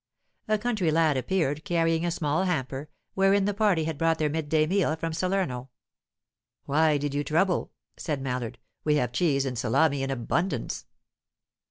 A country lad appeared, carrying a small hamper, wherein the party had brought their midday meal from Salerno. "Why did you trouble?" said Mallard. "We have cheese and salame in abundance."